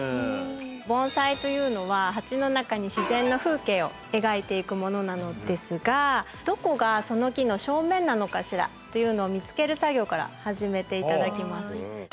盆栽というのは鉢の中に自然の風景を描いていくものなのですがどこがその木の正面なのかしらというのを見つける作業から始めていただきます